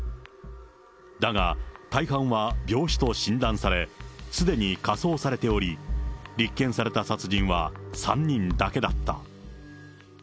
だが、大半は病死と診断され、すでに火葬されており、立件された殺人は３人だけだった。